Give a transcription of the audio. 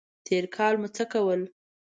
تېر کال مو څه کول؟